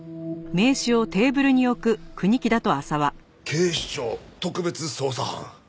警視庁特別捜査班？